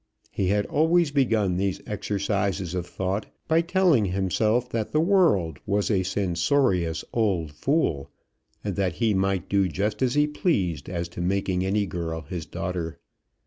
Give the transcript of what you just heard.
He had always begun these exercises of thought, by telling himself that the world was a censorious old fool, and that he might do just as he pleased as to making any girl his daughter.